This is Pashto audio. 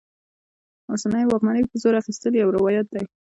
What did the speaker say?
اوسنۍ واکمنۍ په زور اخیستل یو روایت دی.